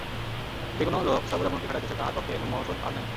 যে-কোনো লোক সর্বদা মনকে খাটাইতেছে তাহার পক্ষে এমন মহৌষধ আর নাই।